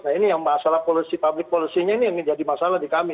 nah ini yang masalah public policy nya ini yang menjadi masalah di kami